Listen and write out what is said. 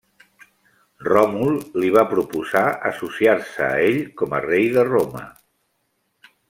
Ròmul li va proposar associar-se a ell com a rei de Roma.